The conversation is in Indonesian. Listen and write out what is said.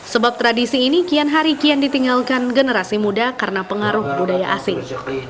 sebab tradisi ini kian hari kian ditinggalkan generasi muda karena pengaruh budaya asing